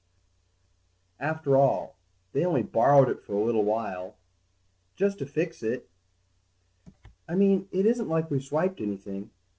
] _After all they only borrowed it a little while, just to fix it _ I mean, it isn't like we swiped anything.